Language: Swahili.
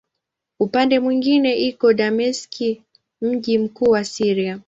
Upande mwingine iko Dameski, mji mkuu wa Syria.